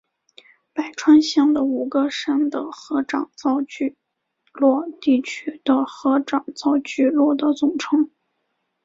白川乡与五个山的合掌造聚落地区的合掌造聚落的总称。